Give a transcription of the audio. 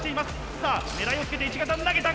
さぁ狙いをつけて１型に投げた！